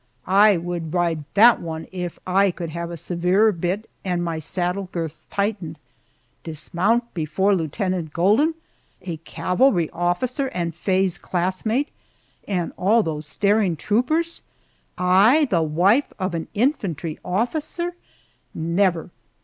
I would ride that one if I could have a severer bit and my saddle girths tightened. Dismount before Lieutenant Golden, a cavalry officer and Faye's classmate, and all those staring troopers I, the wife of an infantry officer? Never!